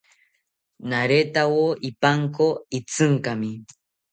Naretawo ipanko itzinkami